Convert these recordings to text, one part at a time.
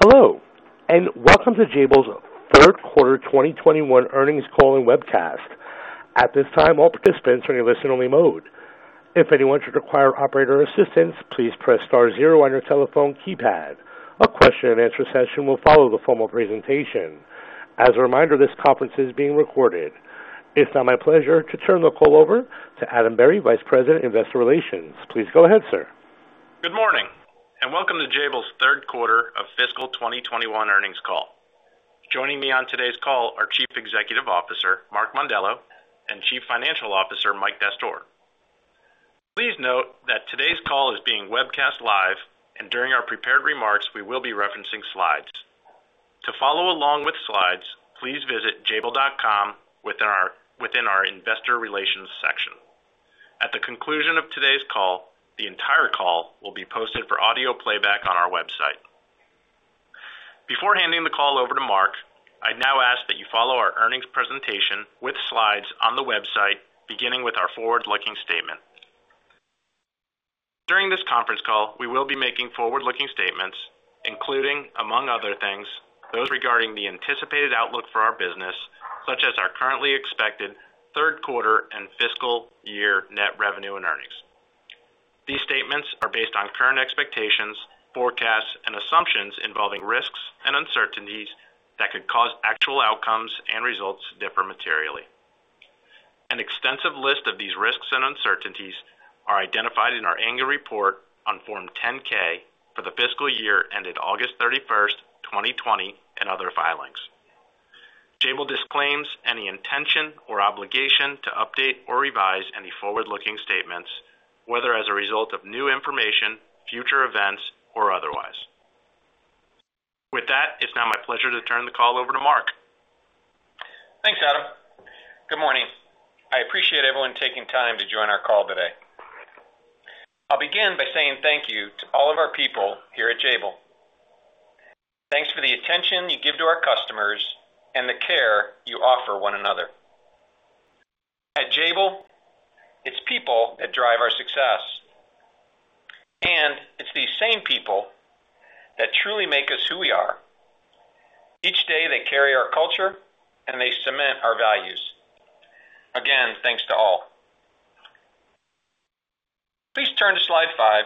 Hello, welcome to Jabil's third quarter 2021 earnings call and webcast. At this time, all participants are in a listen-only mode. If anyone should require operator assistance, please press star zero on your telephone keypad. A question-and-answer session will follow the formal presentation. As a reminder, this conference is being recorded. It's now my pleasure to turn the call over to Adam Berry, vice president, investor relations. Please go ahead, sir. Good morning, and welcome to Jabil's third quarter of fiscal 2021 earnings call. Joining me on today's call are Chief Executive Officer Mark Mondello and Chief Financial Officer Michael Dastoor. Please note that today's call is being webcast live. During our prepared remarks, we will be referencing slides. To follow along with slides, please visit jabil.com within our Investor Relations section. At the conclusion of today's call, the entire call will be posted for audio playback on our website. Before handing the call over to Mark, I now ask that you follow our earnings presentation with slides on the website, beginning with our forward-looking statement. During this conference call, we will be making forward-looking statements, including, among other things, those regarding the anticipated outlook for our business, such as our currently expected third quarter and fiscal year net revenue and earnings. These statements are based on current expectations, forecasts, and assumptions involving risks and uncertainties that could cause actual outcomes and results to differ materially. An extensive list of these risks and uncertainties are identified in our annual report on Form 10-K for the fiscal year ended August 31st, 2020, and other filings. Jabil disclaims any intention or obligation to update or revise any forward-looking statements, whether as a result of new information, future events, or otherwise. With that, it's now my pleasure to turn the call over to Mark. Thanks, Adam. Good morning. I appreciate everyone taking time to join our call today. I'll begin by saying thank you to all of our people here at Jabil. Thanks for the attention you give to our customers and the care you offer one another. At Jabil, it's people that drive our success, and it's these same people that truly make us who we are. Each day they carry our culture, and they cement our values. Again, thanks to all. Please turn to slide 5,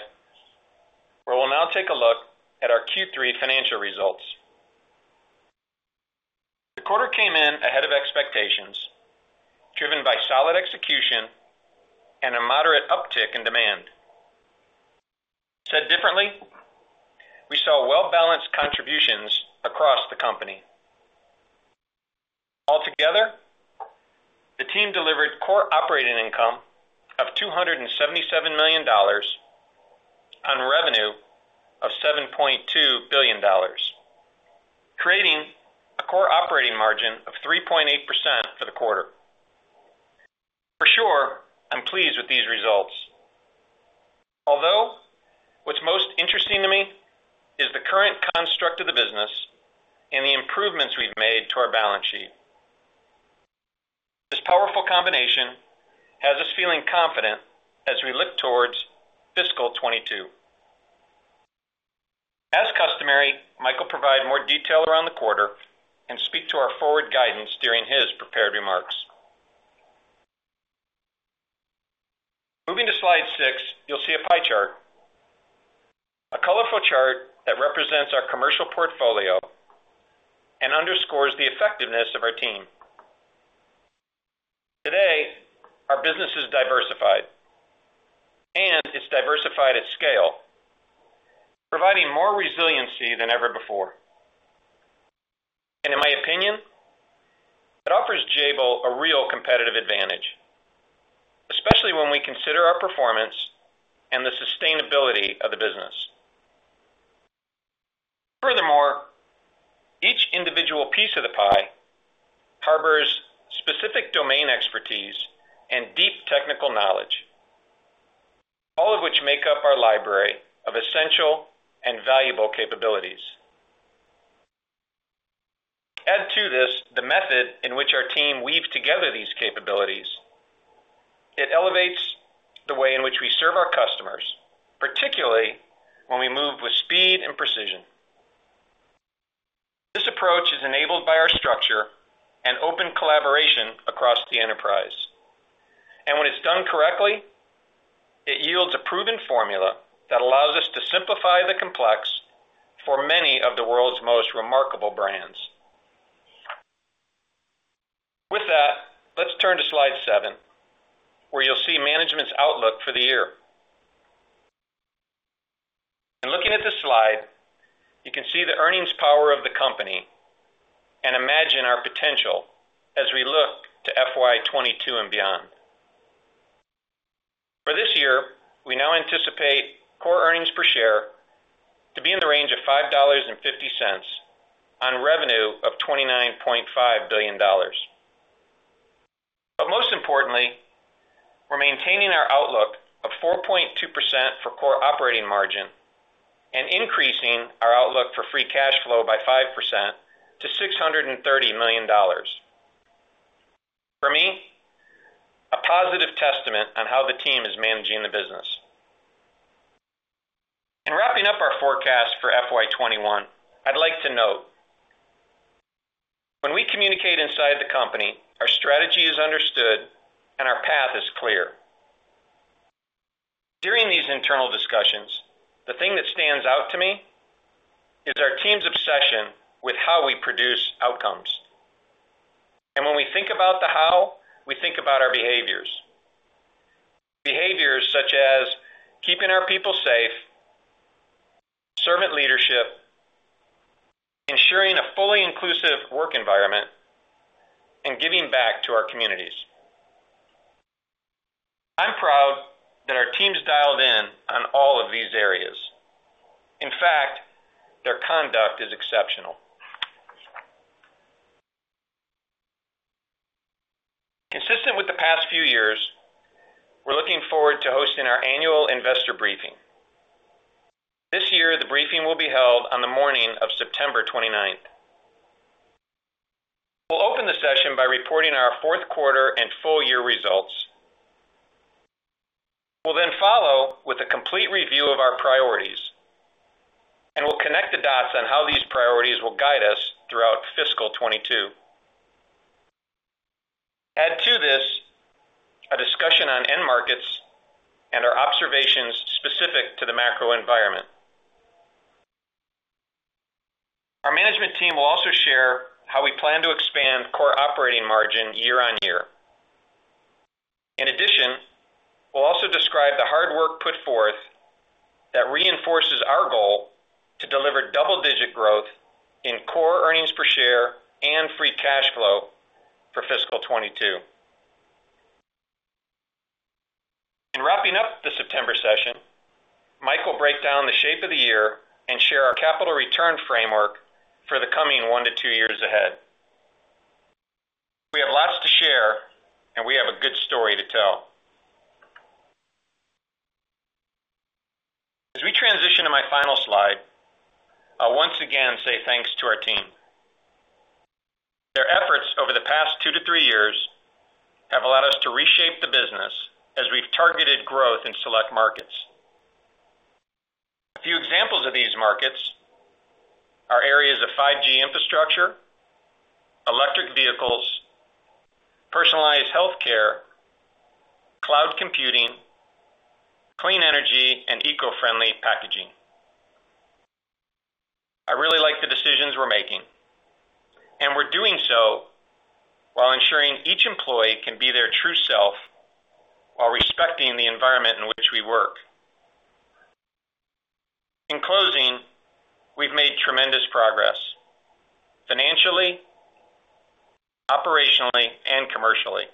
where we'll now take a look at our Q3 financial results. The quarter came in ahead of expectations, driven by solid execution and a moderate uptick in demand. Said differently, we saw well-balanced contributions across the company. Altogether, the team delivered core operating income of $277 million on revenue of $7.2 billion, creating a core operating margin of 3.8% for the quarter. For sure, I'm pleased with these results. What's most interesting to me is the current construct of the business and the improvements we've made to our balance sheet. This powerful combination has us feeling confident as we look towards fiscal 2022. As customary, Mike will provide more detail around the quarter and speak to our forward guidance during his prepared remarks. Moving to slide six, you'll see a pie chart, a colorful chart that represents our commercial portfolio and underscores the effectiveness of our team. Today, our business is diversified, and it's diversified at scale, providing more resiliency than ever before. In my opinion, it offers Jabil a real competitive advantage, especially when we consider our performance and the sustainability of the business. Each individual piece of the pie harbors specific domain expertise and deep technical knowledge. All of which make up our library of essential and valuable capabilities. Add to this the method in which our team weaves together these capabilities. It elevates the way in which we serve our customers, particularly when we move with speed and precision. This approach is enabled by our structure and open collaboration across the enterprise. When it's done correctly, it yields a proven formula that allows us to simplify the complex for many of the world's most remarkable brands. With that, let's turn to slide seven, where you'll see management's outlook for the year. Looking at this slide, you can see the earnings power of the company and imagine our potential as we look to FY22 and beyond. For this year, we now anticipate core earnings per share to be in the range of $5.50 on revenue of $29.5 billion. Most importantly, we're maintaining our outlook of 4.2% for core operating margin and increasing our outlook for free cash flow by 5% to $630 million. For me, a positive testament on how the team is managing the business. In wrapping up our forecast for FY 2021, I'd like to note when we communicate inside the company, our strategy is understood and our path is clear. During these internal discussions, the thing that stands out to me is our team's obsession with how we produce outcomes. When we think about the how, we think about our behaviors. Behaviors such as keeping our people safe, servant leadership, ensuring a fully inclusive work environment, and giving back to our communities. I'm proud that our team's dialed in on all of these areas. In fact, their conduct is exceptional. Consistent with the past few years, we're looking forward to hosting our annual investor briefing. This year, the briefing will be held on the morning of September 29th. We'll open the session by reporting our fourth quarter and full year results. We'll follow with a complete review of our priorities. We'll connect the dots on how these priorities will guide us throughout FY 2022. Add to this a discussion on end markets and our observations specific to the macro environment. Our management team will also share how we plan to expand core operating margin year-over-year. In addition, we'll also describe the hard work put forth that reinforces our goal to deliver double-digit growth in core earnings per share and free cash flow for FY 2022. In wrapping up the September session, Mike will break down the shape of the year and share our capital return framework for the coming 1-2 years ahead. We have lots to share. We have a good story to tell. As we transition to my final slide, I'll once again say thanks to our team. Their efforts over the past two to three years have allowed us to reshape the business as we've targeted growth in select markets. A few examples of these markets are areas of 5G infrastructure, electric vehicles, personalized healthcare, cloud computing, clean energy, and eco-friendly packaging. I really like the decisions we're making, and we're doing so while ensuring each employee can be their true self while respecting the environment in which we work. In closing, we've made tremendous progress financially, operationally, and commercially.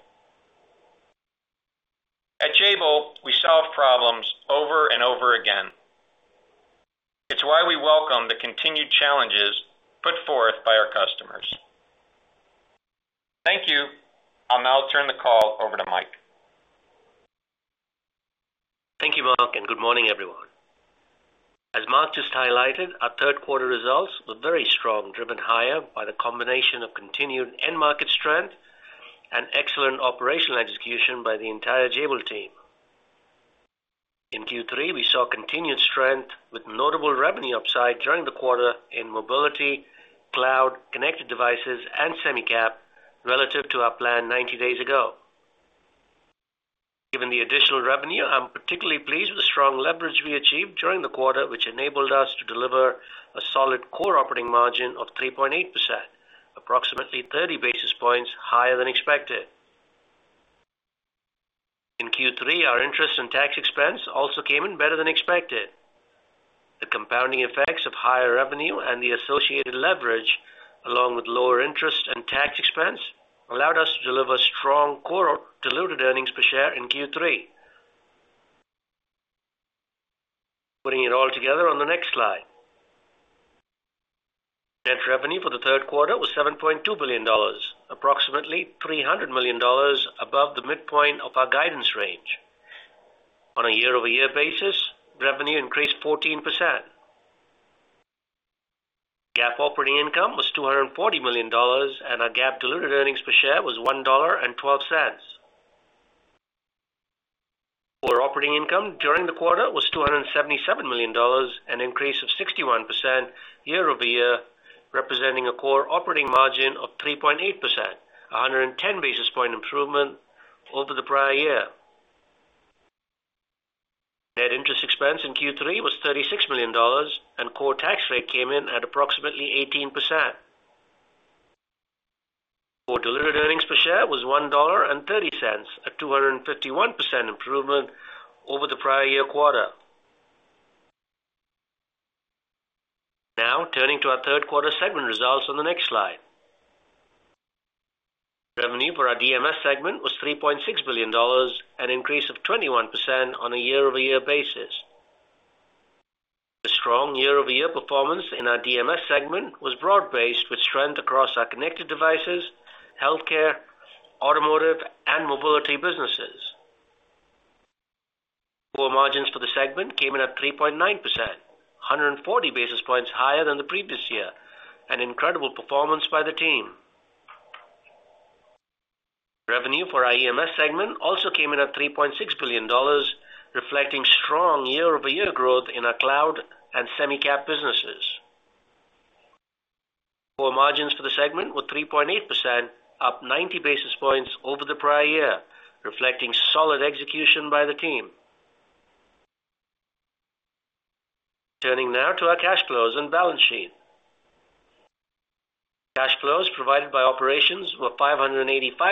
At Jabil, we solve problems over and over again. It's why we welcome the continued challenges put forth by our customers. Thank you. I'll now turn the call over to Mike. Thank you, Mark Mondello. Good morning, everyone. As Mark just highlighted, our third quarter results were very strong, driven higher by the combination of continued end market strength and excellent operational execution by the entire Jabil team. In Q3, we saw continued strength with notable revenue upside during the quarter in mobility, cloud, connected devices, and semi-cap relative to our plan 90 days ago. Given the additional revenue, I'm particularly pleased with the strong leverage we achieved during the quarter, which enabled us to deliver a solid core operating margin of 3.8%, approximately 30 basis points higher than expected. In Q3, our interest and tax expense also came in better than expected. The compounding effects of higher revenue and the associated leverage, along with lower interest and tax expense, allowed us to deliver strong core diluted earnings per share in Q3. Putting it all together on the next slide. Net revenue for the third quarter was $7.2 billion, approximately $300 million above the midpoint of our guidance range. On a year-over-year basis, revenue increased 14%. GAAP operating income was $240 million, and our GAAP diluted earnings per share was $1.12. Core operating income during the quarter was $277 million, an increase of 61% year-over-year, representing a core operating margin of 3.8%, an 110 basis point improvement over the prior year. Net interest expense in Q3 was $36 million, and core tax rate came in at approximately 18%. Core diluted earnings per share was $1.30, a 251% improvement over the prior year quarter. Turning to our third quarter segment results on the next slide. Revenue for our DMS segment was $3.6 billion, an increase of 21% on a year-over-year basis. The strong year-over-year performance in our DMS segment was broad-based with strength across our connected devices, healthcare, automotive, and mobility businesses. Core margins for the segment came in at 3.9%, 140 basis points higher than the previous year. An incredible performance by the team. Revenue for our EMS segment also came in at $3.6 billion, reflecting strong year-over-year growth in our cloud and semi-cap businesses. Core margins for the segment were 3.8%, up 90 basis points over the prior year, reflecting solid execution by the team. Turning now to our cash flows and balance sheet. Cash flows provided by operations were $585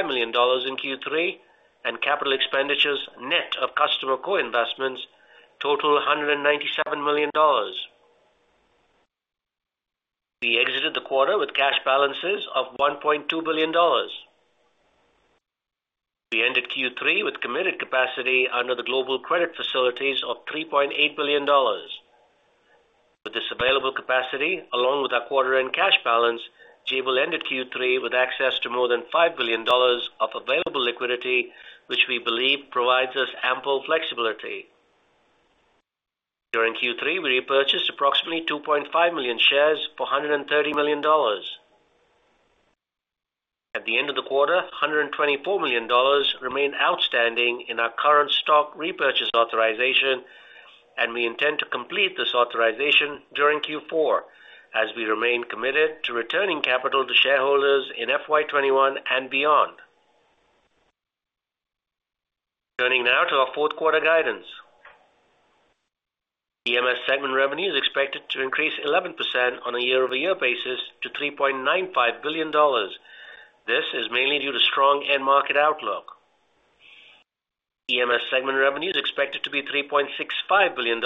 million in Q3, and capital expenditures net of customer co-investments totaled $197 million. We exited the quarter with cash balances of $1.2 billion. We ended Q3 with committed capacity under the global credit facilities of $3.8 billion. With this available capacity, along with our quarter-end cash balance, Jabil ended Q3 with access to more than $5 billion of available liquidity, which we believe provides us ample flexibility. During Q3, we repurchased approximately 2.5 million shares for $130 million. At the end of the quarter, $124 million remained outstanding in our current stock repurchase authorization, and we intend to complete this authorization during Q4, as we remain committed to returning capital to shareholders in FY21 and beyond. Turning now to our fourth quarter guidance. EMS segment revenue is expected to increase 11% on a year-over-year basis to $3.95 billion. This is mainly due to a strong end-market outlook. EMS segment revenue is expected to be $3.65 billion,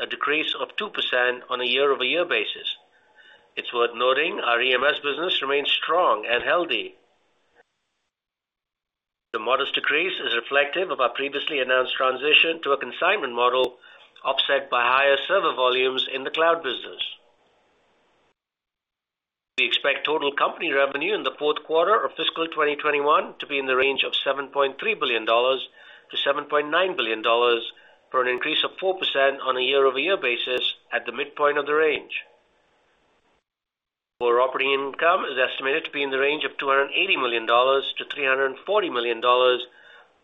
a decrease of 2% on a year-over-year basis. It's worth noting our EMS business remains strong and healthy. The modest decrease is reflective of our previously announced transition to a consignment model, offset by higher server volumes in the cloud business. We expect total company revenue in the fourth quarter of fiscal 2021 to be in the range of $7.3 billion-$7.9 billion, for an increase of 4% on a year-over-year basis at the midpoint of the range. Core operating income is estimated to be in the range of $280 million-$340 million,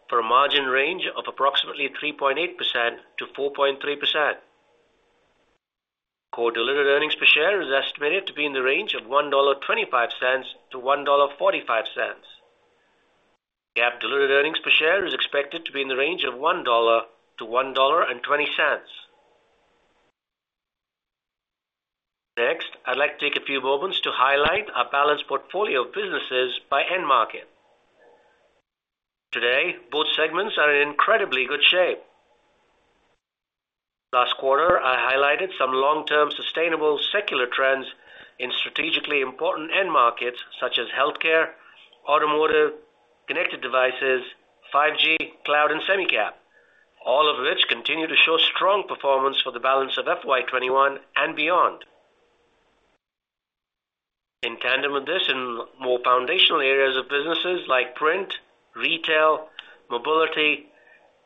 for a margin range of approximately 3.8%-4.3%. Core diluted earnings per share is estimated to be in the range of $1.25-$1.45. GAAP diluted earnings per share is expected to be in the range of $1-$1.20. I'd like to take a few moments to highlight our balanced portfolio of businesses by end market. Today, both segments are in incredibly good shape. Last quarter, I highlighted some long-term sustainable secular trends in strategically important end markets such as healthcare, automotive, connected devices, 5G, cloud, and semi-cap, all of which continue to show strong performance for the balance of FY21 and beyond. In tandem with this, in more foundational areas of businesses like print, retail, mobility,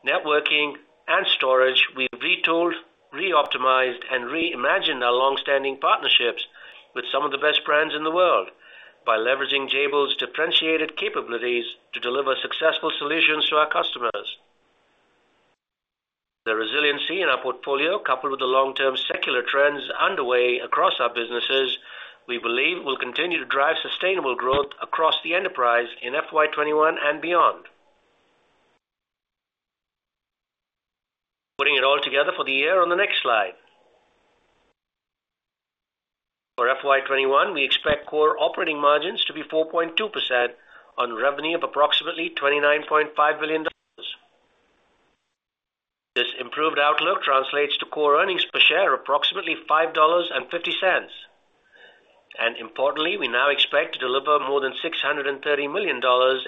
networking, and storage, we've retooled, reoptimized, and reimagined our longstanding partnerships with some of the best brands in the world by leveraging Jabil's differentiated capabilities to deliver successful solutions to our customers. The resiliency in our portfolio, coupled with the long-term secular trends underway across our businesses, we believe will continue to drive sustainable growth across the enterprise in FY21 and beyond. Putting it all together for the year on the next slide. For FY21, we expect core operating margins to be 4.2% on revenue of approximately $29.5 billion. This improved outlook translates to core earnings per share of approximately $5.50. Importantly, we now expect to deliver more than $630 million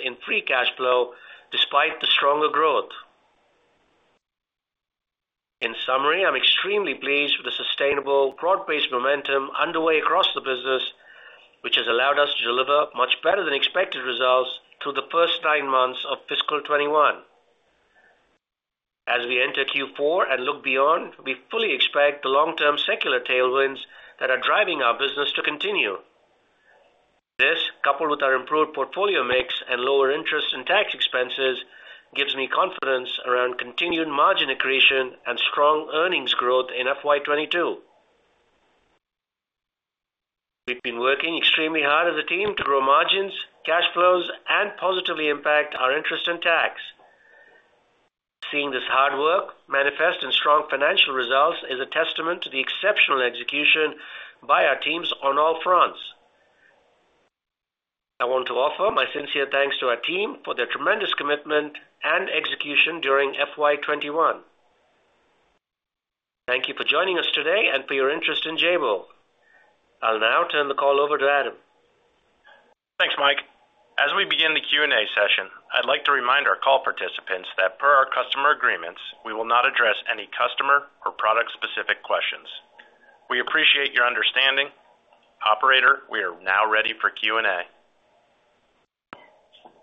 in free cash flow despite the stronger growth. In summary, I'm extremely pleased with the sustainable, broad-based momentum underway across the business, which has allowed us to deliver much better than expected results through the first nine months of fiscal 2021. We enter Q4 and look beyond; we fully expect the long-term secular tailwinds that are driving our business to continue. This, coupled with our improved portfolio mix and lower interest and tax expenses, gives me confidence around continued margin accretion and strong earnings growth in FY 2022. We've been working extremely hard as a team to grow margins, cash flows, and positively impact our interest and tax. Seeing this hard work manifest in strong financial results is a testament to the exceptional execution by our teams on all fronts. I want to offer my sincere thanks to our team for their tremendous commitment and execution during FY 2021. Thank you for joining us today and for your interest in Jabil. I'll now turn the call over to Adam. Thanks, Mike. As we begin the Q&A session, I'd like to remind our call participants that per our customer agreements, we will not address any customer or product-specific questions. We appreciate your understanding. Operator, we are now ready for Q&A.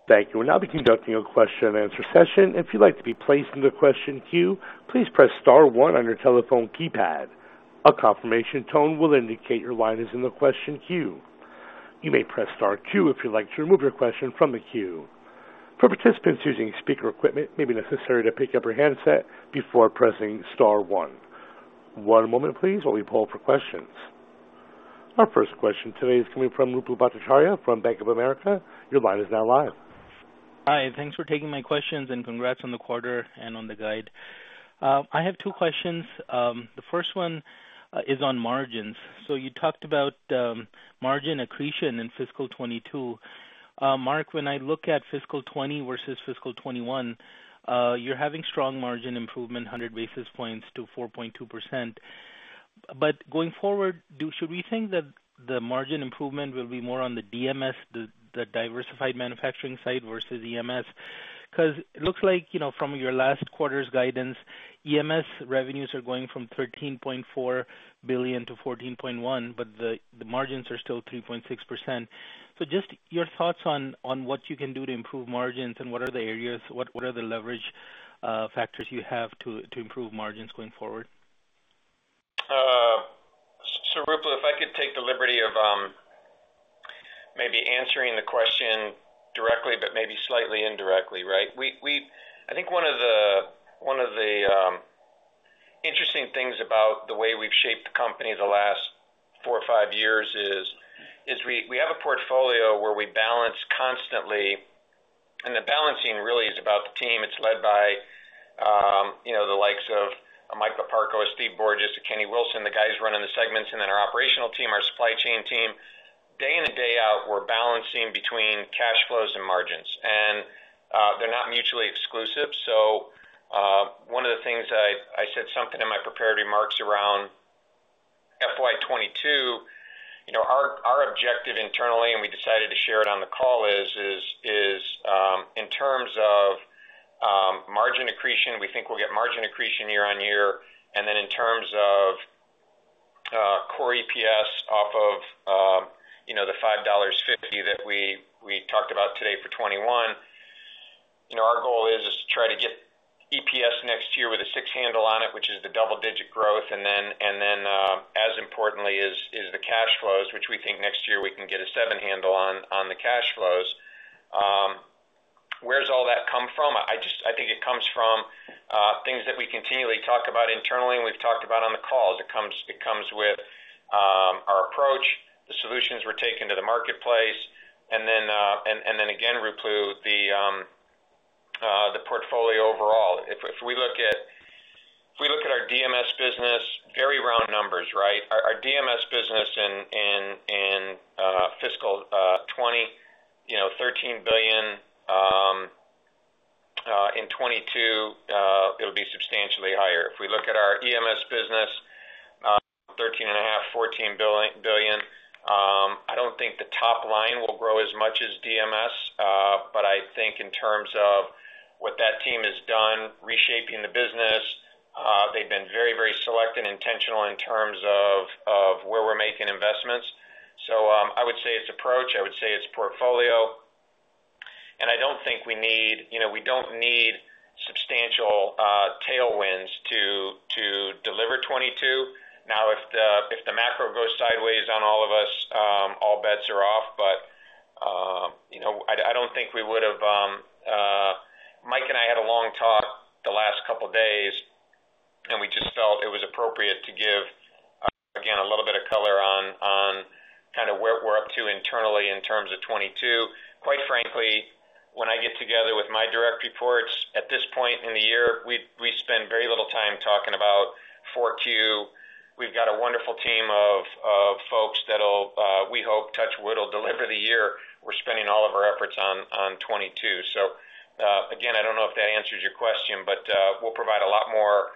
Thank you. We'll now be conducting a question-and-answer session. If you'd like to be placed in the question queue, please press star one on your telephone keypad. A confirmation tone will indicate your line is in the question queue. You may press star two if you'd like to remove your question from the queue. For participants using speaker equipment, it may be necessary to pick up your handset before pressing star one. One moment please while we poll for questions. Our first question today is coming from Ruplu Bhattacharya from Bank of America. Your line is now live. Hi, thanks for taking my questions, and congrats on the quarter and on the guide. I have two questions. The first one is on margins. You talked about margin accretion in fiscal 2022. Mark, when I look at fiscal 2020 versus fiscal 2021, you're having strong margin improvement, 100 basis points to 4.2%. Going forward, should we think that the margin improvement will be more on the DMS, the diversified manufacturing side, versus EMS? It looks like, from your last quarter's guidance, EMS revenues are going from $13.4 billion to $14.1 billion, but the margins are still 3.6%. Just your thoughts on what you can do to improve margins, and what are the areas, the leverage factors you have to improve margins going forward? Ruplu, if I could take the liberty of maybe answering the question directly, but maybe slightly indirectly, right? I think one of the interesting things about the way we've shaped the company the last four or five years is we have a portfolio where we balance constantly, and the balancing really is about the team. It's led by the likes of Michael Loparco, Steve Borges, and Kenny Wilson, the guys running the segments, and then our operational team, our supply chain team. Day in and day out, we're balancing between cash flows and margins, and they're not mutually exclusive. One of the things that I said something in my prepared remarks around FY22, our objective internally, and we decided to share it on the call is, in terms of margin accretion, we think we'll get margin accretion year-over-year. In terms of core EPS off of the $5.50 that we talked about today for 2021. Our goal is to try to get EPS next year with a 6 handle on it, which is the double-digit growth, as importantly is the cash flow, which we think next year we can get a seven handle on the cash flows. Where's all that come from? I think it comes from things that we continually talk about internally, and we've talked about on the calls. It comes with our approach, the solutions we're taking to the marketplace, and again, Ruplu, the portfolio overall. If we look at our DMS business, very round numbers, right? Our DMS business in fiscal 2020 was $13 billion. In 2022 it'll be substantially higher. If we look at our EMS business, $13.5 billion, $14 billion. I don't think the top line will grow as much as DMS, but I think in terms of what that team has done reshaping the business, they've been very selective and intentional in terms of where we're making investments. I would say it's approach, I would say it's portfolio, and I don't think we need substantial tailwinds to deliver in 2022. Now, if the macro goes sideways on all of us, all bets are off. Mike and I had a long talk the last couple of days, and we just felt it was appropriate to give, again, a little bit of color on where we're up to internally in terms of 2022. Quite frankly, when I get together with my direct reports at this point in the year, we spend very little time talking about 4Q. We've got a wonderful team of folks that we hope, touch wood, will deliver the year. We're spending all of our efforts on 2022. Again, I don't know if that answers your question, but we'll provide a lot more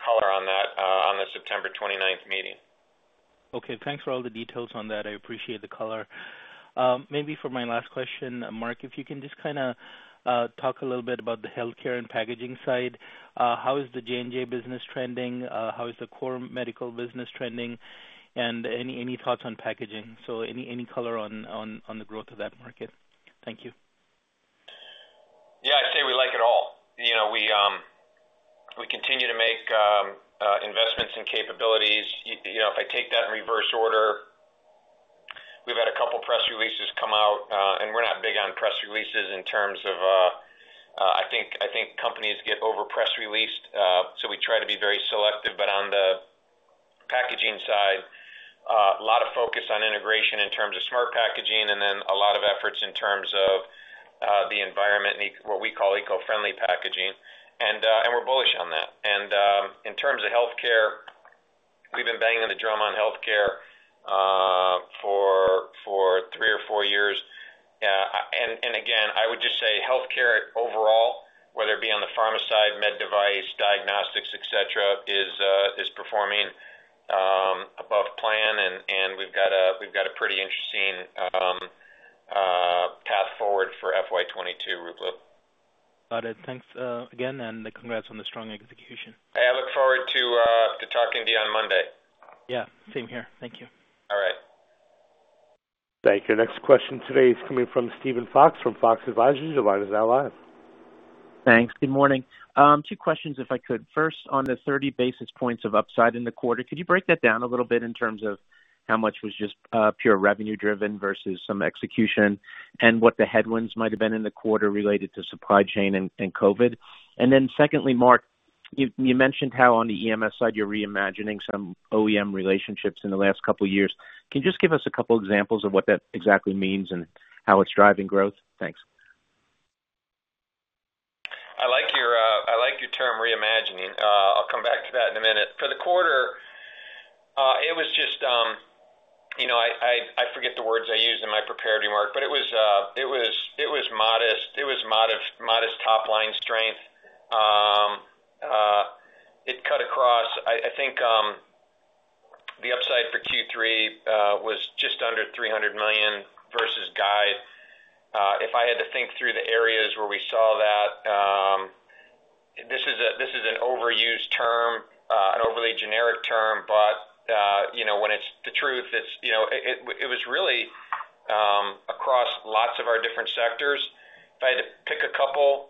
color on that on the September 29th meeting. Okay. Thanks for all the details on that. I appreciate the color. Maybe for my last question, Mark, if you can just kind of talk a little bit about the healthcare and packaging side. How is the J&J business trending? How is the core medical business trending? Any thoughts on packaging? Any color on the growth of that market? Thank you. I'd say we like it all. We continue to make investments in capabilities. If I take that in reverse order, we've had a couple press releases come out, and we're not big on press releases. I think companies get over-press-released, so we try to be very selective. On the packaging side, a lot of focus on integration in terms of smart packaging and then a lot of efforts in terms of the environment, what we call eco-friendly packaging. We're bullish on that. In terms of healthcare, we've been banging the drum on healthcare for three or four years. Again, I would just say healthcare overall, whether it be on the pharma side, med device, diagnostics, etc., is performing above plan. We've got a pretty interesting path forward for FY 2022, Ruplu. Got it. Thanks again, and congrats on the strong execution. I look forward to talking to you on Monday. Same here. Thank you. All right. Thank you. The next question today is coming from Steven Fox from Fox Advisors. Your line is now live. Thanks. Good morning. Two questions, if I could. First, on the 30 basis points of upside in the quarter, could you break that down a little bit in terms of how much was just pure revenue-driven versus some execution, and what the headwinds might've been in the quarter related to supply chain and COVID? Secondly, Mark, you mentioned how on the EMS side you're reimagining some OEM relationships in the last couple of years. Can you just give us a couple examples of what that exactly means and how it's driving growth? Thanks. I like your term "reimagining." I'll come back to that in a minute. For the quarter, I forget the words I used in my prepared remarks, but it was modest top-line strength. It cut across; I think the upside for Q3 was just under $300 million versus guide. If I had to think through the areas where we saw that, this is an overused term, an overly generic term, but when it's the truth, it was really across lots of our different sectors. If I had to pick a couple,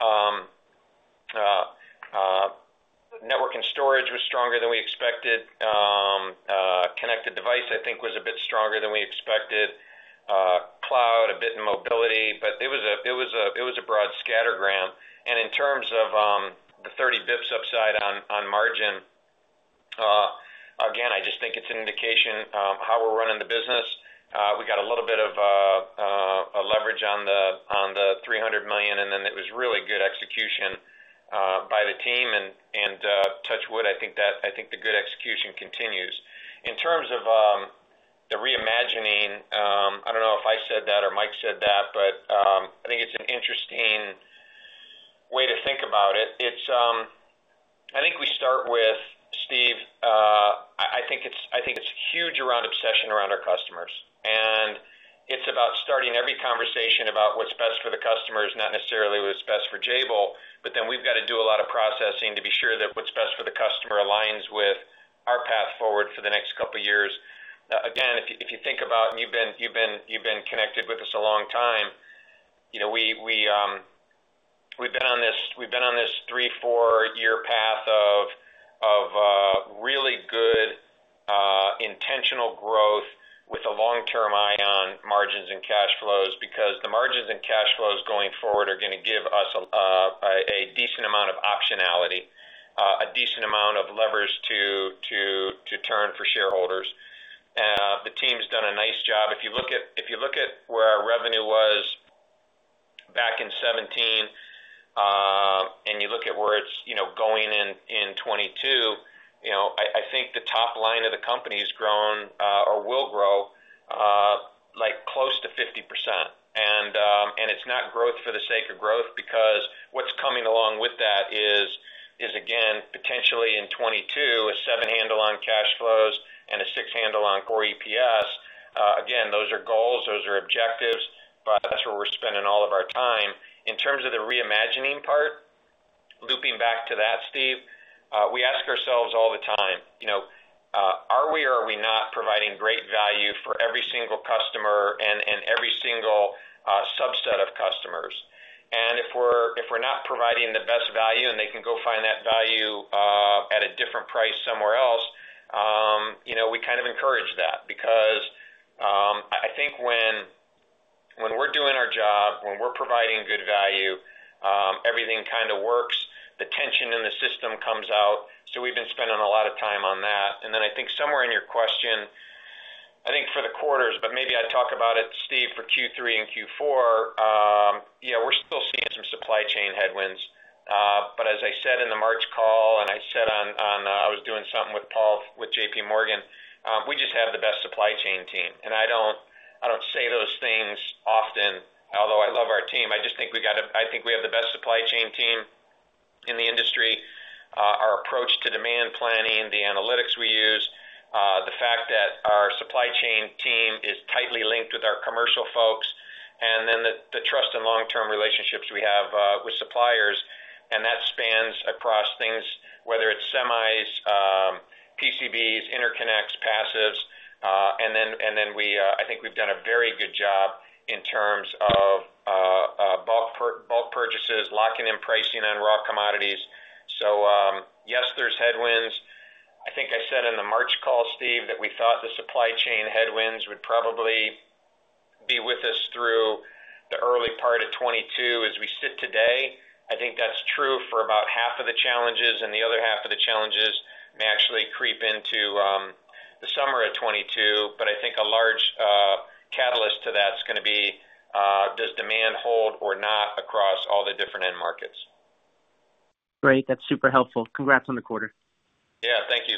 network and storage was stronger than we expected. Connected device, I think, was a bit stronger than we expected. Cloud, a bit of mobility, but it was a broad scattergram. In terms of the 30 basis points upside on margin, again, I just think it's an indication of how we're running the business. We got a little bit of leverage on the $300 million, and then it was really good execution by the team, and touch wood, I think the good execution continues. In terms of the reimagining, I don't know if I said that or Mike said that, but I think it's an interesting way to think about it. I think we start with, Steve, I think it's huge around obsession around our customers. It's about starting every conversation about what's best for the customers, not necessarily what's best for Jabil, but then we've got to do a lot of processing to be sure that what's best for the customer aligns with our path forward for the next couple of years. Again, if you think about it, you've been connected with us a long time. We've been on this three, four-year path of really good intentional growth with a long-term eye on margins and cash flows because the margins and cash flows going forward are going to give us a decent amount of optionality, a decent amount of levers to turn for shareholders. The team's done a nice job. If you look at where our revenue was back in 2017 and you look at where it's going in 2022, I think the top line of the company's grown or will grow close to 50%. It's not growth for the sake of growth because what's coming along with that is, again, potentially in 2022, a seven handle on cash flow and a six handle on core EPS. Again, those are goals, those are objectives, but that's where we're spending all of our time. In terms of the reimagining part, looping back to that, Steve, we ask ourselves all the time, are we or are we not providing great value for every single customer and every single subset of customers? If we're not providing the best value and they can go find that value at a different price somewhere else, we kind of encourage that because I think when we're doing our job, when we're providing good value, everything kind of works. The tension in the system comes out. We've been spending a lot of time on that. I think somewhere in your question, I think for the quarters, but maybe I talk about it, Steve. For Q3 and Q4, we're still seeing some supply chain headwinds. As I said in the March call, and I said I was doing something with Paul with JP Morgan, we just have the best supply chain team. I don't say those things often, although I love our team. I think we have the best supply chain team in the industry. Our approach to demand planning, the analytics we use, the fact that our supply chain team is tightly linked with our commercial folks, and the trust and long-term relationships we have with suppliers, and that span across things, whether it's semis, PCBs, interconnects, passives. I think we've done a very good job in terms of bulk purchases, locking in pricing on raw commodities. Yes, there's headwinds. I think I said in the March call, Steve, that we thought the supply chain headwinds would probably be with us through the early part of 2022. As we sit today, I think that's true for about half of the challenges, and the other half of the challenges may actually creep into the summer of 2022. I think a large catalyst to that's going to be does demand holds or not across all the different end markets. Great. That's super helpful. Congrats on the quarter. Yeah. Thank you.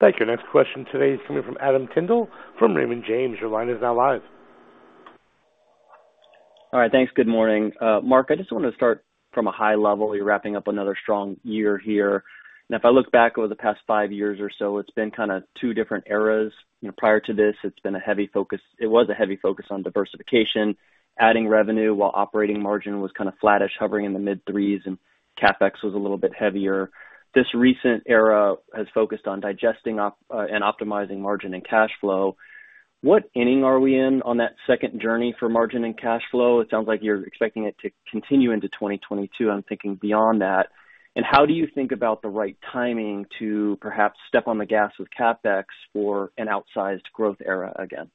Thanks. Your next question today is coming from Adam Tindle from Raymond James. Your line is now live. All right. Thanks. Good morning. Mark, I just want to start from a high level. You're wrapping up another strong year here. If I look back over the past five years or so, it's been kind of two different eras. Prior to this, it was a heavy focus on diversification, adding revenue while operating margin was kind of flattish, hovering in the mid-threes, and CapEx was a little bit heavier. This recent era has focused on digesting and optimizing margin and cash flow. What inning are we in on that second journey for margin and cash flow? It sounds like you're expecting it to continue into 2022. I'm thinking beyond that. How do you think about the right timing to perhaps step on the gas with CapEx for an outsized growth era again?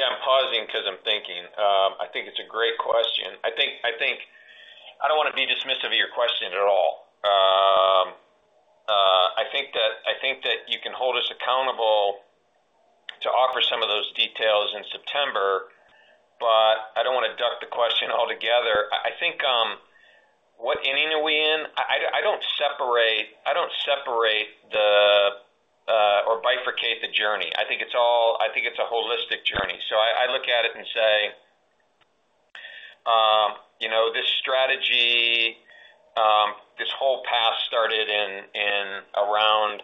I'm pausing because I'm thinking. I think it's a great question. I don't want to be dismissive of your question at all. I think that you can hold us accountable to offer some of those details in September. I don't want to duck the question altogether. I think what inning are we in? I don't separate or bifurcate the journey. I think it's a holistic journey. I look at it and say, "This strategy, this whole path started in around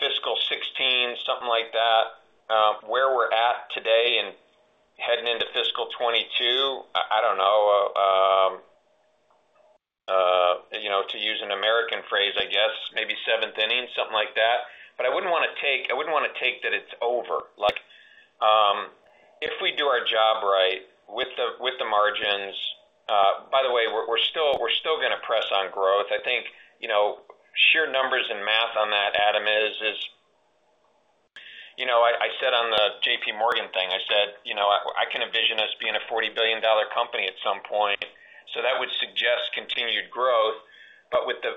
fiscal 2016, something like that." Where we're at today and heading into fiscal 2022, I don't know, to use an American phrase, I guess maybe seventh inning, something like that. I wouldn't want to take that it's over. If we do our job right with the margins. By the way, we're still going to press on growth. I think sheer numbers and math on that, Adam, is I said on the JP Morgan thing, I said, "I can envision us being a $40 billion company at some point." That would suggest continued growth.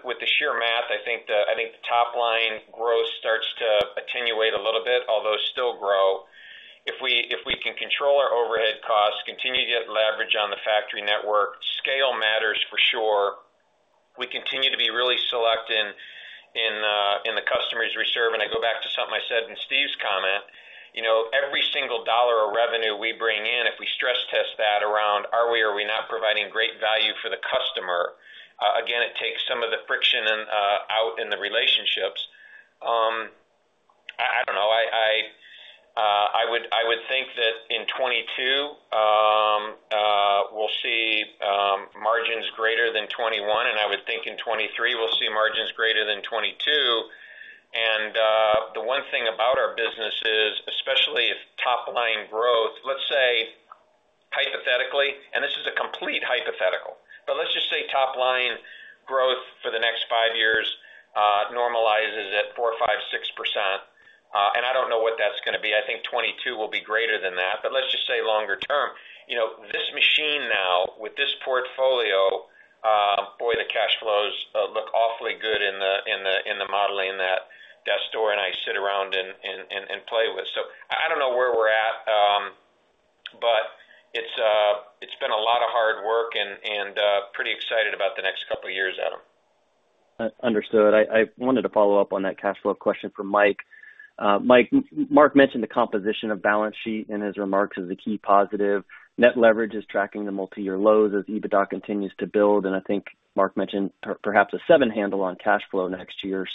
With the sheer math, I think the top-line growth starts to attenuate a little bit, although it still grows. If we can control our overhead costs, continue to get leverage on the factory network, scale matters for sure. We continue to be really selective in the customers we serve. I go back to something I said in Steve's comment. Every single dollar of revenue we bring in, if we stress test that around, are we not providing great value for the customer? Again, it takes some of the friction out in the relationships. I don't know. I would think that in 2022, we'll see margins greater than 2021, and I would think in 2023 we'll see margins greater than 2022. The one thing about our business is, especially if top-line growth, let's say hypothetically, and this is a complete hypothetical, but let's just say top-line growth for the next 5 years normalizes at 4%, 5%, 6%, and I don't know what that's going to be. I think 2022 will be greater than that, but let's just say longer term. This machine, now with this portfolio, boy, the cash flows look awfully good in the modeling that Stuart and I sit around and play with. I don't know where we're at, but it's been a lot of hard work, and I'm pretty excited about the next couple of years, Adam. Understood. I wanted to follow up on that cash flow question from Mike. Mike, Mark mentioned the composition of balance sheet in his remarks as a key positive. Net leverage is tracking to multi-year lows as EBITDA continues to build. I think Mark mentioned perhaps a seven-handle on cash flow next year.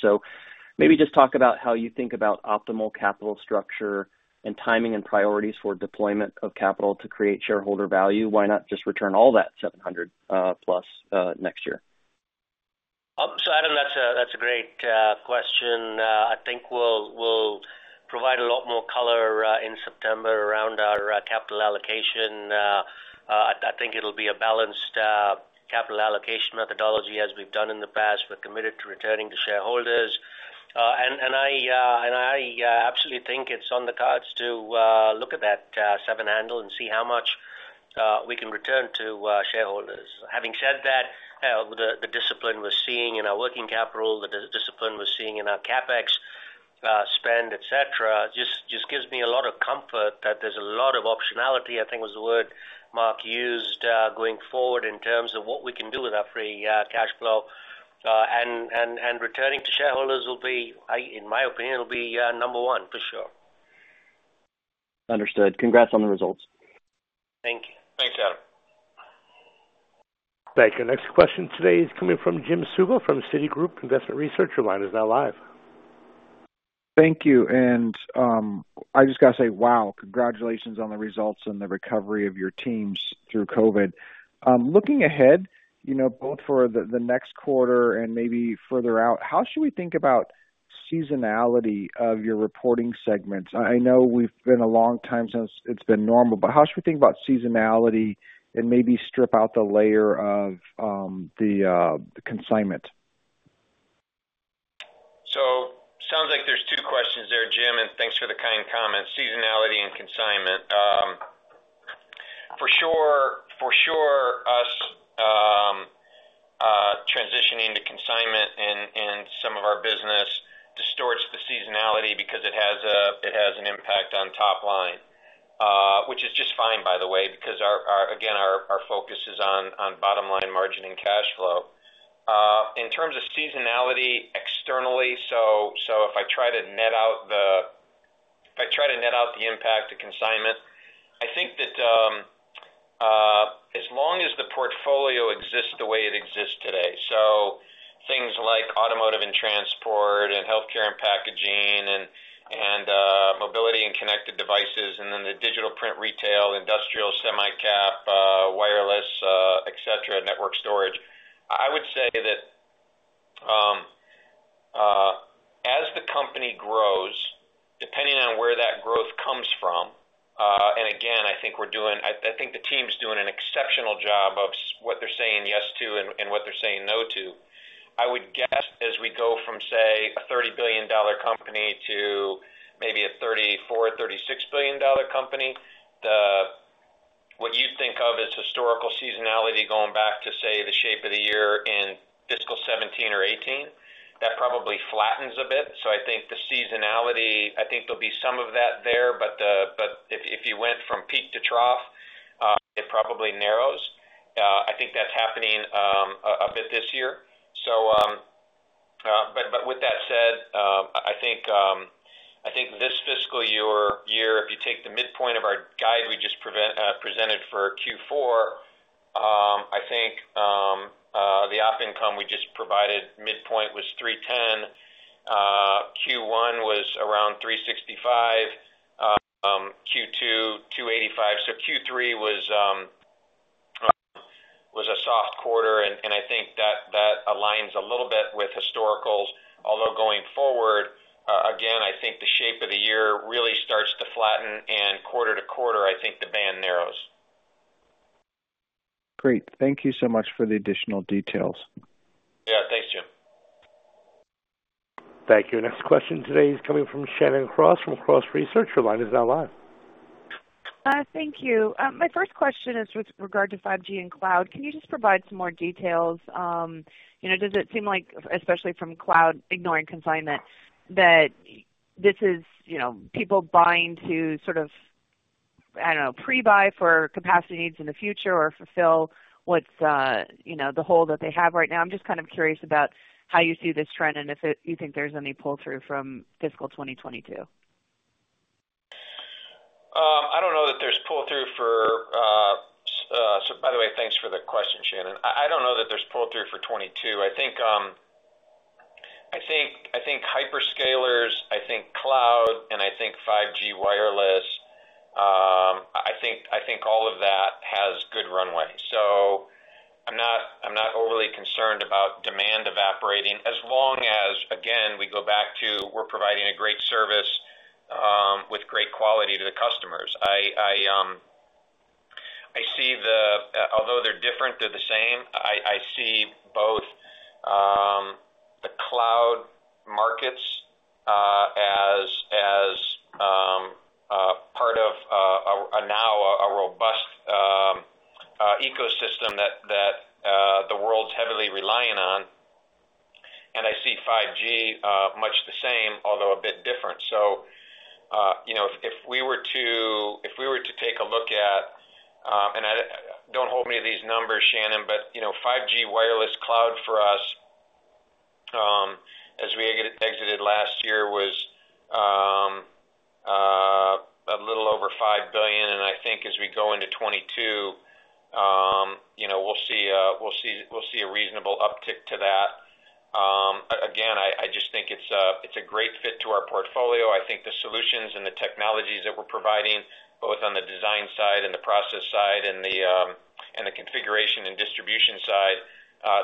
Maybe just talk about how you think about optimal capital structure and timing and priorities for deployment of capital to create shareholder value. Why not just return all that $700 plus next year? Adam, that's a great question. I think we'll provide a lot more color in September around our capital allocation. I think it'll be a balanced capital allocation methodology as we've done in the past. We're committed to returning to shareholders. I absolutely think it's on the cards to look at that seven handle and see how much we can return to shareholders. Having said that, the discipline we're seeing in our working capital, the discipline we're seeing in our CapEx spend, et cetera, just gives me a lot of comfort that there's a lot of optionality, I think, was the word Mark used, going forward in terms of what we can do with our free cash flow. Returning to shareholders will be, in my opinion, will be number one for sure. Understood. Congrats on the results. Thank you. Thanks, Adam. Thank you. The next question today is coming from James Suva from Citigroup Investment Research. Your line is now live. Thank you. I just got to say wow, congratulations on the results and the recovery of your teams through COVID. Looking ahead both for the next quarter and maybe further out, how should we think about seasonality of your reporting segments? I know we've been a long time since it's been normal; how should we think about seasonality and maybe strip out the layer of the consignment? It sounds like there's two questions there, Jim, and thanks for the kind comments. Seasonality and consignment. For sure, us transitioning to consignment in some of our business distorts the seasonality because it has an impact on top line. Which is just fine, by the way, because again, our focus is on bottom-line margin and cash flow. In terms of seasonality externally, if I try to net out the impact of consignment, I think that as long as the portfolio exists the way it exists today, things like automotive and transport and healthcare and packaging and mobility and connected devices, and then the digital print retail, industrial semi-cap, wireless, et cetera, network storage. I would say that as the company grows, depending on where that growth comes from, and again, I think the team's doing an exceptional job of what they're saying yes to and what they're saying no to. I would guess as we go from, say, a $30 billion company to maybe a $34 billion, $36 billion company, what you think of as historical seasonality going back to, say, the shape of the year in fiscal 2017 or 2018, that probably flattens a bit. I think the seasonality, I think there'll be some of that there; if you went from peak to trough, it probably narrows. I think that's happening a bit this year. With that said, I think this fiscal year, if you take the midpoint of our guide we just presented for Q4, I think the op income we just provided midpoint was $310. Q1 was around $365, Q2, $285. Q3 was a soft quarter, and I think that aligns a little bit with historicals. Going forward, again, I think the shape of the year really starts to flatten, and quarter to quarter, I think the band narrows. Great. Thank you so much for the additional details. Thanks, James. Thank you. The next question today is coming from Shannon Cross with Cross Research. Your line is now live. Thank you. My first question is with regard to 5G and cloud. Can you just provide some more details? Does it seem like, especially from the cloud, ignoring consignment, that this is people buying to sort of, I don't know, pre-buy for capacity needs in the future or fulfill the hole that they have right now? I'm just kind of curious about how you see this trend and if you think there's any pull-through from fiscal 2022. By the way, thanks for the question, Shannon. I don't know that there's pull-through for 2022. I think hyperscalers, I think cloud, and I think 5G wireless; I think all of that has good runway. I'm not overly concerned about demand evaporating as long as, again, we go back to we're providing a great service with great quality to the customers. Although they're different, they're the same. I see both the cloud markets as part of now a robust ecosystem that the world's heavily reliant on, and I see 5G much the same, although a bit different. If we were to take a look at, and don't hold me to these numbers, Shannon, but 5G wireless cloud for us, as we exited last year, was a little over $5 billion. I think as we go into 2022, we'll see a reasonable uptick to that. I just think it's a great fit to our portfolio. I think the solutions and the technologies that we're providing, both on the design side and the process side and the configuration and distribution side,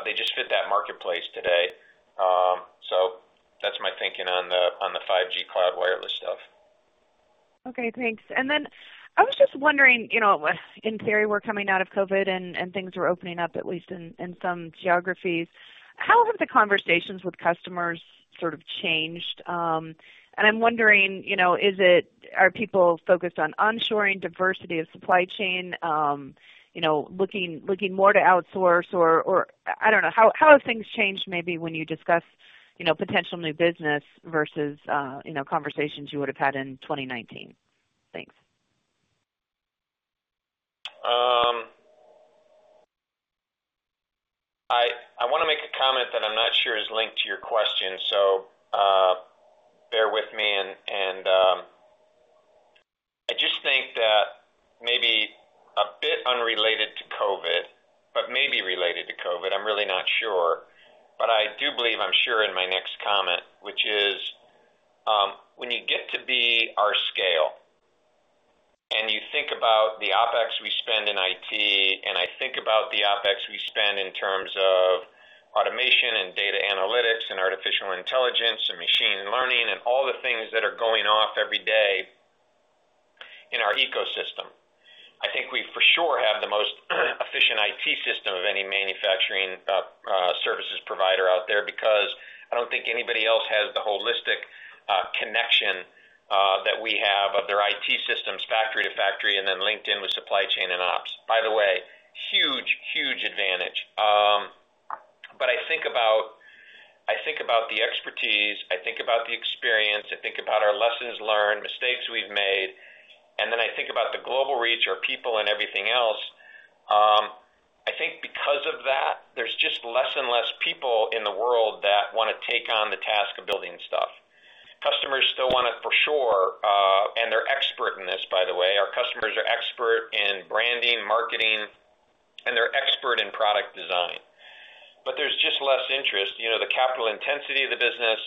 they just fit that marketplace today. That's my thinking on the 5G cloud wireless stuff. Okay, thanks. Then I was just wondering, in theory, we're coming out of COVID, and things are opening up, at least in some geographies. How have the conversations with customers sort of changed? I'm wondering, are people focused on onshoring diversity of supply chain, looking more to outsource? I don't know. How have things changed, maybe when you discuss potential new business versus conversations you would've had in 2019? Thanks. I want to make a comment that I'm not sure is linked to your question, so bear with me. I just think that maybe a bit unrelated to COVID, but maybe related to COVID; I'm really not sure, but I do believe I'm sharing my next comment, which is when you get to be our scale and you think about the OpEx we spend in IT, and I think about the OpEx we spend in terms of automation and data analytics and artificial intelligence and machine learning and all the things that are going off every day in our ecosystem. I think we for sure have the most efficient IT system of any manufacturing services provider out there because I don't think anybody else has the holistic connection that we have of their IT systems, factory to factory, and then linked in with supply chain and ops. By the way, huge advantage. About the expertise, I think about the experience, I think about our lessons learned, mistakes we've made, and then I think about the global reach, our people, and everything else. I think because of that, there's just less and less people in the world that want to take on the task of building stuff. Customers still want it for sure, and they're experts in this, by the way. Our customers are experts in branding, marketing, and they're experts in product design. But there's just less interest. The capital intensity of the business.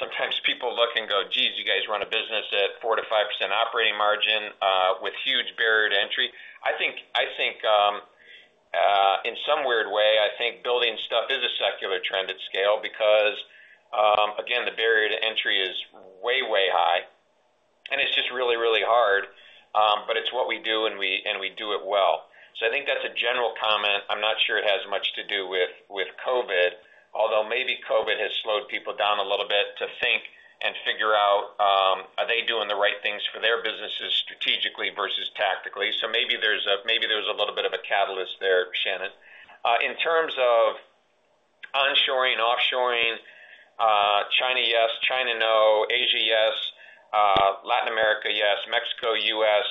Sometimes people look and go, "Geez, you guys run a business at 4%-5% operating margin with a huge barrier to entry." I think in some weird way, I think building stuff is a secular trend at scale because, again, the barrier to entry is way high, and it's just really, really hard. It's what we do, and we do it well. I think that's a general comment. I'm not sure it has much to do with COVID, although maybe COVID has slowed people down a little bit to think and figure out, are they doing the right things for their businesses strategically versus tactically. Maybe there's a little bit of a catalyst there, Shannon. In terms of onshoring, offshoring, China yes, China no, Asia yes, Latin America yes, Mexico, U.S.,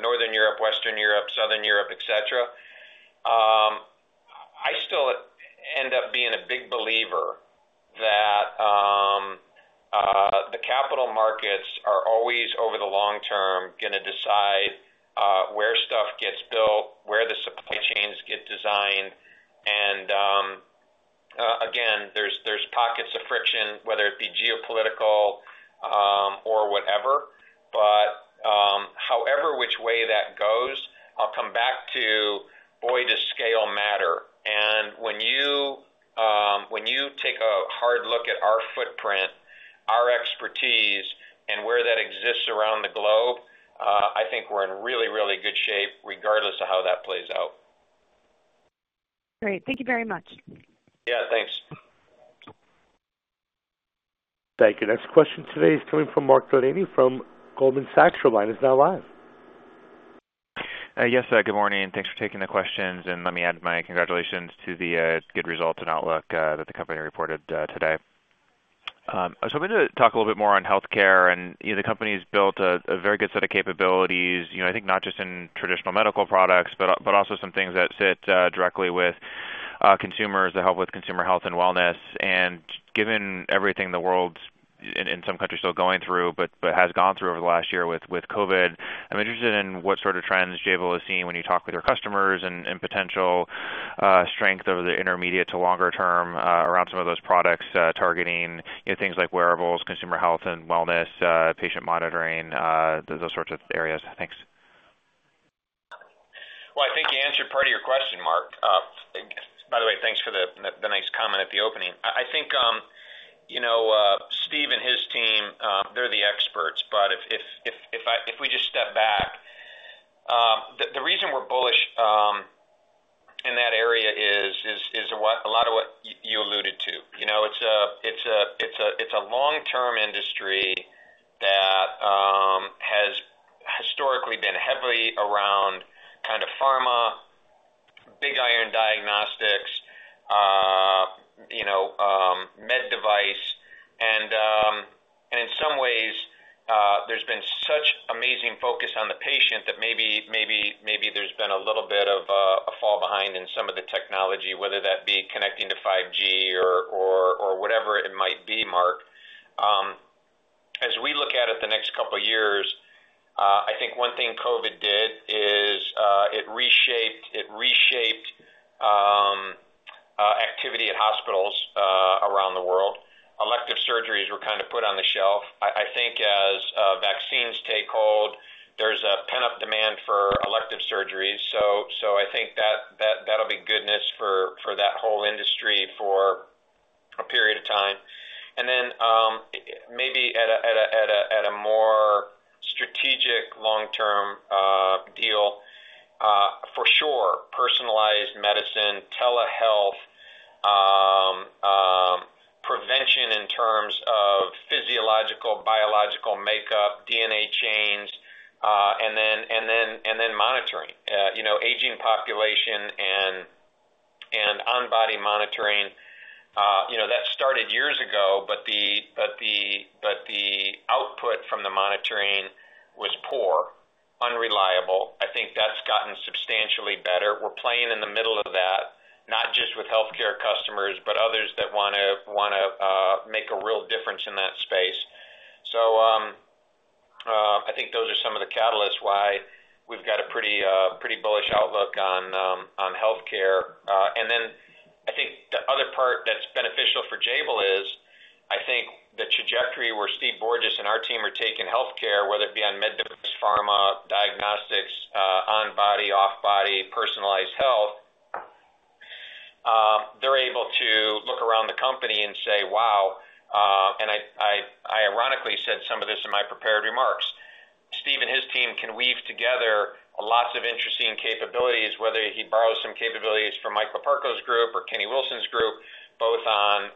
Northern Europe, Western Europe, Southern Europe, et cetera. I still end up being a big believer that the capital markets are always, over the long term, going to decide where stuff gets built, where the supply chains get designed, and again, there's pockets of friction, whether it be geopolitical or whatever. However which way that goes, I'll come back to, boy, does scale matter. When you take a hard look at our footprint, our expertise, and where that exists around the globe, I think we're in really, really good shape regardless of how that plays out. Great. Thank you very much. Thanks. Thank you. The next question today is coming from Mark Delaney from Goldman Sachs. Good morning. Thanks for taking the questions. Let me add my congratulations to the good results and outlook that the company reported today. I'm going to talk a little bit more on healthcare, and the company's built a very good set of capabilities, I think, not just in traditional medical products, but also some things that sit directly with consumers that help with consumer health and wellness. Given everything the world and some countries still going through, but has gone through over the last year with COVID, I'm interested in what sort of trends Jabil is seeing when you talk with your customers and potential strength over the intermediate to longer term around some of those products targeting things like wearables, consumer health and wellness, patient monitoring, those sorts of areas. Thanks. Well, I think you answered part of your question, Mark Delaney. By the way, thanks for the nice comment at the opening. I think Steve and his team, they're the experts. If we just step back, the reason we're bullish in that area is a lot of what you alluded to. It's a long-term industry that has historically been heavily around pharma, big iron diagnostics, med device. In some ways, there's been such amazing focus on the patient that maybe there's been a little bit of a fall behind in some of the technology, whether that be connecting to 5G or whatever it might be, Mark. As we look at it the next couple of years, I think one thing COVID did is it reshaped activity at hospitals around the world. Elective surgeries were kind of put on the shelf. I think as vaccines take hold, there's a pent-up demand for elective surgeries. I think that'll be goodness for that whole industry for a period of time. Maybe at a more strategic long-term deal, for sure, personalized medicine, telehealth, prevention in terms of physiological, biological makeup, DNA chains, and then monitoring. Aging population and on-body monitoring. That started years ago, but the output from the monitoring was poor, unreliable. I think that's gotten substantially better. We're playing in the middle of that, not just with healthcare customers, but others that want to make a real difference in that space. I think those are some of the catalysts why we've got a pretty bullish outlook on healthcare. I think the other part that's beneficial for Jabil is I think the trajectory where Steve Borges and our team are taking healthcare, whether it be on med devices, pharma, diagnostics, on-body, off-body, or personalized health; they're able to look around the company and say, "Wow." I ironically said some of this in my prepared remarks. Steve and his team can weave together lots of interesting capabilities, whether he borrows some capabilities from Michael Loparco's group or Kenny Wilson's group, both on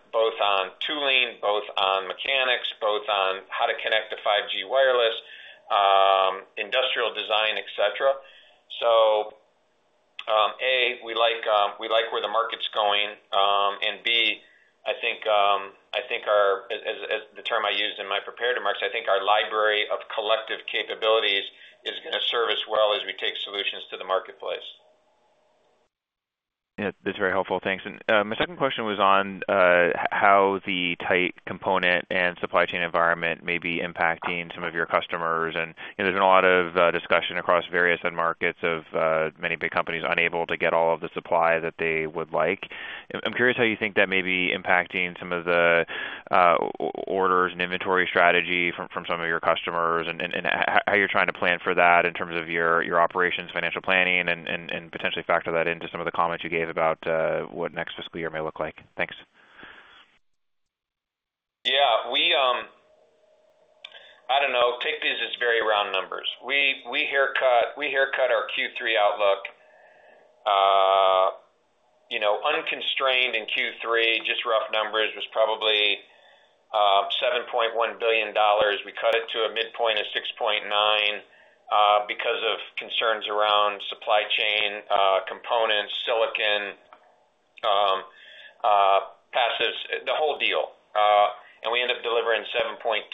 tooling, both on mechanics, both on how to connect to 5G wireless. We like where the market's going, and B, the term I used in my prepared remarks, I think our library of collective capabilities is going to serve us well as we take solutions to the marketplace. That's very helpful. Thanks. My second question was on how the tight component and supply chain environment may be impacting some of your customers. There's been a lot of discussion across various end markets of many big companies unable to get all of the supply that they would like. I'm curious how you think that may be impacting some of the orders and inventory strategy from some of your customers and how you're trying to plan for that in terms of your operations, financial planning and potentially factor that into some of the comments you gave about what next fiscal year may look like. Thanks. I don't know. Take these as very round numbers. We haircut our Q3 outlook. Unconstrained in Q3, just rough numbers, was probably $7.1 billion. We cut it to a midpoint of $6.9 billion because of concerns around supply chain components, silicon, passives, and the whole deal. We end up delivering $7.2 billion,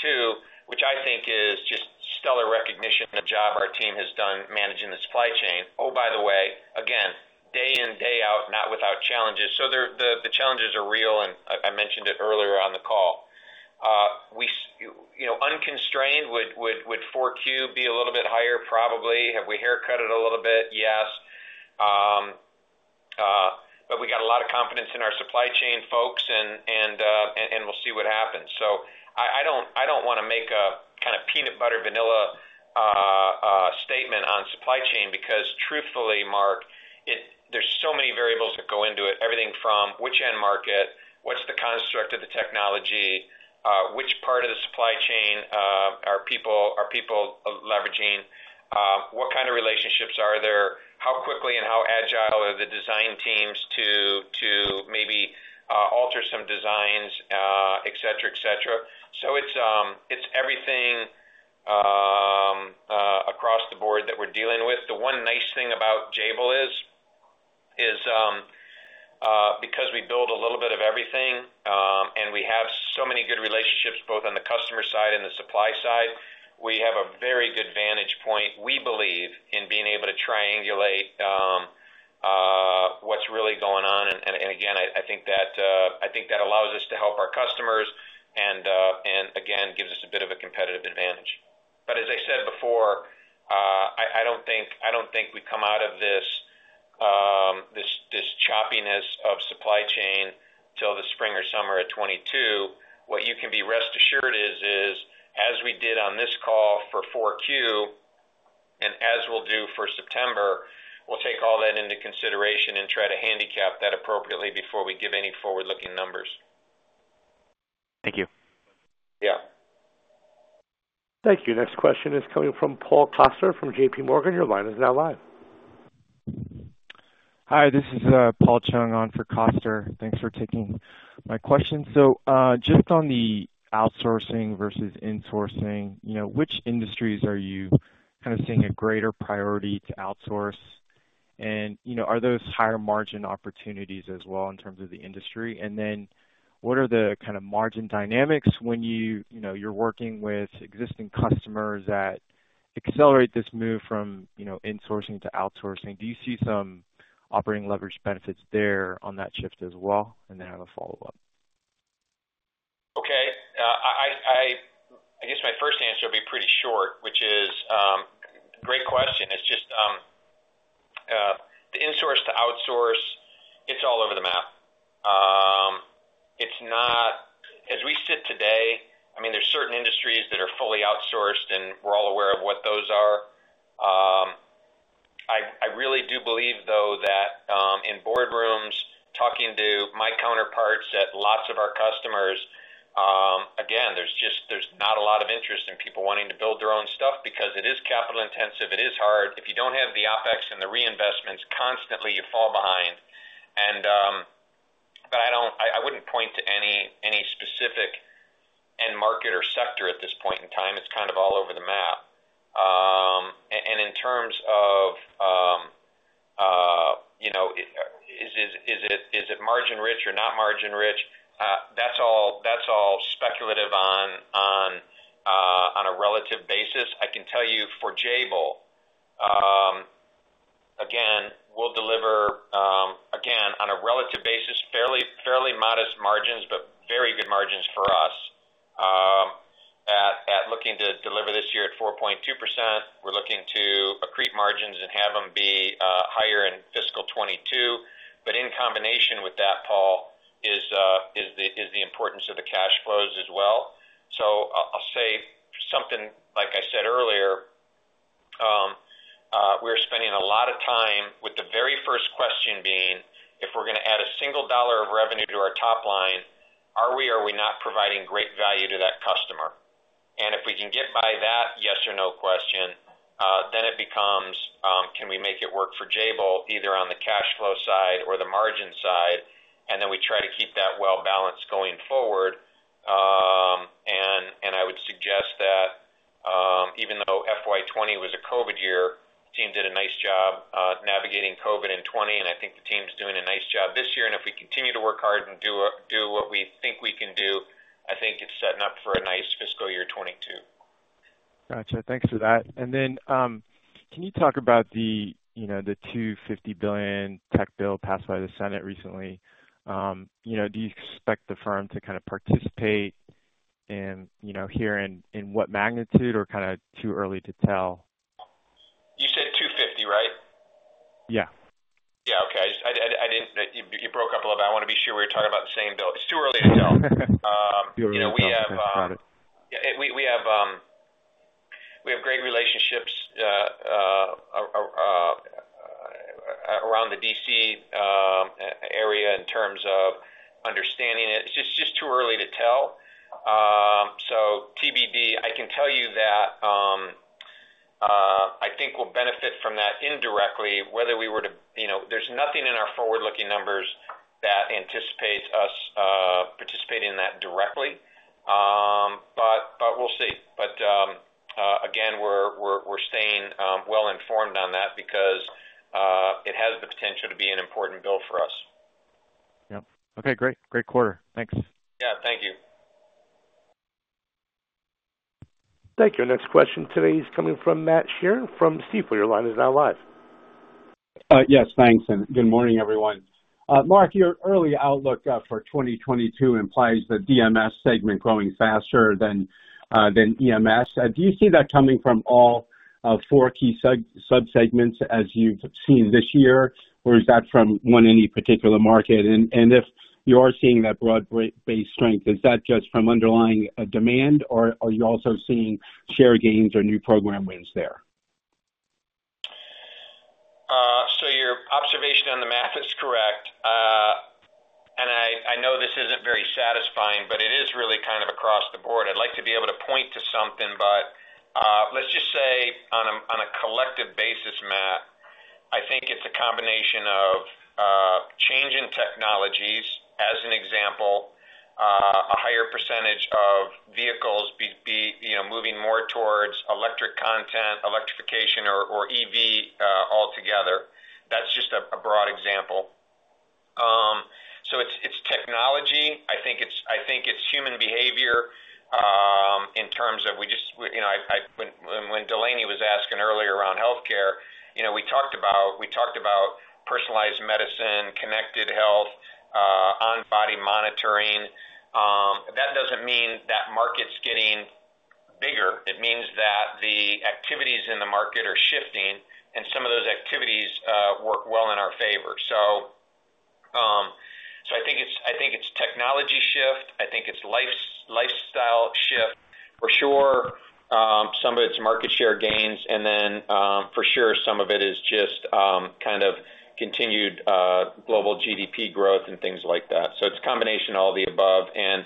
which I think is just stellar recognition of the job our team has done managing the supply chain. Oh, by the way, again, day in, day out, not without challenges. The challenges are real, and I mentioned it earlier on the call. Unconstrained, would 4Q be a little bit higher? Probably. Have we haircut it a little bit? Yes. We got a lot of confidence in our supply chain folks, and we'll see what happens. I don't want to make a kind of peanut butter vanilla statement on supply chain because, truthfully, Mark, there's so many variables that go into it. Everything from which end market, what's the construct of the technology, which part of the supply chain are people leveraging, what kind of relationships are there, how quickly and how agile are the design teams to maybe alter some designs, etc. It's everything across the board that we're dealing with. The one nice thing about Jabil is because we build a little bit of everything, and we have so many good relationships both on the customer side and the supply side, we have a very good vantage point, we believe, in being able to triangulate what's really going on. Again, I think that allows us to help our customers and, again, gives us a bit of a competitive advantage. As I said before, I don't think we come out of this choppiness of supply chain till the spring or summer of 2022. What you can be rest assured is, as we did on this call for Q4, and as we'll do for September, we'll take all that into consideration and try to handicap that appropriately before we give any forward-looking numbers. Thank you. Yeah. Thank you. The next question is coming from Paul Coster from JP Morgan. Your line is now live. Hi, this is Paul Chung on for Paul Coster. Thanks for taking my question. Just on the outsourcing versus insourcing, which industries are you kind of seeing a greater priority to outsource? Are those higher-margin opportunities as well in terms of the industry? What are the kind of margin dynamics when you're working with existing customers that accelerate this move from insourcing to outsourcing? Do you see some operating leverage benefits there on that shift as well? I have a follow-up. Okay. I guess my first answer will be pretty short, which is, "Great question." It's just the insource to outsource; it's all over the map. As we sit today, there's certain industries that are fully outsourced, and we're all aware of what those are. I really do believe, though, that in boardrooms, talking to my counterparts at lots of our customers, again, there's not a lot of interest in people wanting to build their own stuff because it is capital-intensive. It is hard. If you don't have the OpEx and the reinvestments constantly, you fall behind. I wouldn't point to any specific end market or sector at this point in time. It's kind of all over the map. In terms of is it margin rich or not margin rich? That's all speculative on a relative basis. I can tell you for Jabil, again, we'll deliver on a relative basis, fairly modest margins, but very good margins for us at looking to deliver this year at 4.2%. In combination with that, Paul, is the importance of the cash flows as well. I'll say something like I said earlier: we're spending a lot of time with the very first question being, if we're going to add a single dollar of revenue to our top line, are we or are we not providing great value to that customer? If we can get by that yes or no question, then it becomes, can we make it work for Jabil either on the cash flow side or the margin side? We try to keep that well-balanced going forward. And I would suggest that even though FY 2020 was a COVID year. The team did a nice job navigating COVID in 2020. I think the team's doing a nice job this year. If we continue to work hard and do what we think we can do, I think it's setting up for a nice fiscal year 2022. Got you. Thanks for that. Can you talk about the $250 billion tech bill passed by the Senate recently? Do you expect the firm to participate, and here in what magnitude, or too early to tell? You said $250, right? Yeah. Okay. I think you broke up a little bit. I want to be sure we're talking about the same bill. It's too early to tell. Okay. Too early to tell. Got it. We have great relationships around the D.C. area in terms of understanding it. It's just too early to tell. TBD. I can tell you that I think we'll benefit from that indirectly. There's nothing in our forward-looking numbers that anticipates us participating in that directly. We'll see. Again, we're staying well-informed on that because it has the potential to be an important bill for us. Yep. Okay, great. Great quarter. Thanks. Yeah, thank you. Thank you. Our next question today is coming from Matthew Sheerin from Stifel. Your line is now live. Yes, thanks. Good morning, everyone. Mark, your early outlook for 2022 implies the DMS segment growing faster than EMS. Do you see that coming from all four key sub-segments as you've seen this year, or is that from one any particular market? If you are seeing that broad-based strength, is that just from underlying demand, or are you also seeing share gains or new program wins there? Your observation on the math is correct. I know this isn't very satisfying; it is really kind of across the board. I'd like to be able to point to something; let's just say on a collective basis, Matt, I think it's a combination of changing technologies. As an example, a higher percentage of vehicles moving more towards electric content, electrification, or EVs altogether. That's just a broad example. It's technology. I think it's human behavior in terms of when Delaney was asking earlier around healthcare; we talked about personalized medicine, connected health, on-body monitoring. That doesn't mean that market's getting bigger. It means that the activities in the market are shifting, and some of those activities work well in our favor. I think it's technology shift. I think it's lifestyle shift for sure. Some of it's market share gains, and then for sure some of it is just kind of continued global GDP growth and things like that. It's a combination of all the above, and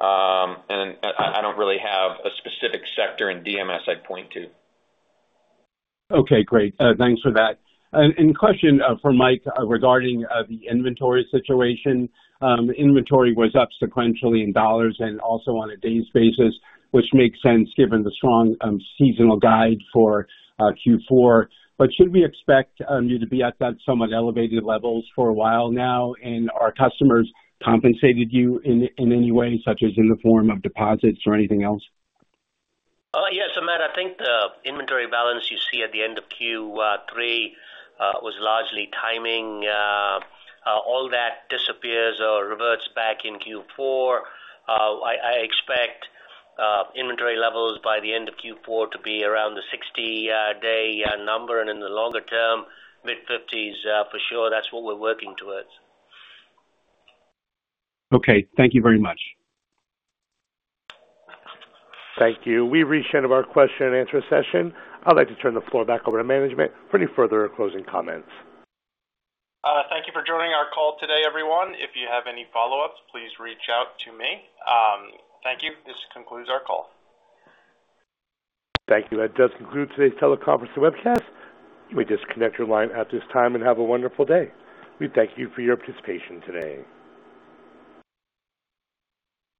I don't really have a specific sector in DMS I'd point to. Okay, great. Thanks for that. Question for Mike regarding the inventory situation. Inventory was up sequentially in dollars and also on a days basis, which makes sense given the strong seasonal guide for Q4. Should we expect you to be at that somewhat elevated level for a while now? Are customers compensating you in any way, such as in the form of deposits or anything else? Yes, Matt. I think the inventory balance you see at the end of Q3 was largely timing. All that disappears or reverts back in Q4. I expect inventory levels by the end of Q4 to be around the 60-day number, and in the longer term, mid-50s for sure. That's what we're working towards. Okay, thank you very much. Thank you. We've reached the end of our question-and-answer session. I'd like to turn the floor back over to management for any further closing comments. Thank you for joining our call today, everyone. If you have any follow-ups, please reach out to me. Thank you. This concludes our call. Thank you. That does conclude today's teleconference and webcast. You may disconnect your line at this time and have a wonderful day. We thank you for your participation today.